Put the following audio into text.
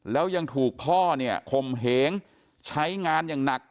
แล้วยังถูกพ่อเนี่ยข่มเหงใช้งานอย่างหนัก